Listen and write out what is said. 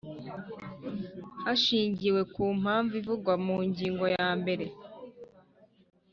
hashingiwe ku mpamvu ivugwa mu ngingo ya mbere